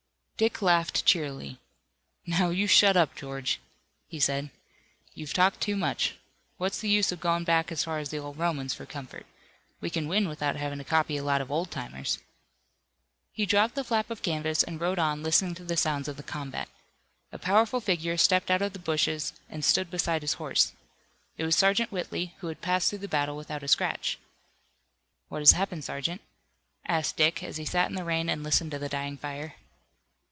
Dick laughed cheerily. "Now, you shut up, George," he said. "You've talked too much. What's the use of going back as far as the old Romans for comfort. We can win without having to copy a lot of old timers." He dropped the flap of canvas and rode on listening to the sounds of the combat. A powerful figure stepped out of the bushes and stood beside his horse. It was Sergeant Whitley, who had passed through the battle without a scratch. "What has happened, Sergeant?" asked Dick, as he sat in the rain and listened to the dying fire.